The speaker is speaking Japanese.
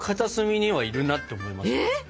えっ！